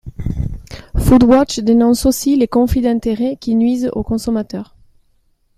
Foodwatch dénonce aussi les conflits d’intérêt qui nuisent aux consommateurs.